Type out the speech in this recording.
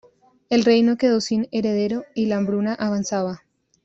El reino quedó sin heredero y la hambruna avanzaba.